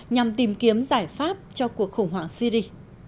nhằm tìm kiếm giải pháp cho cuộc khủng hoảng syri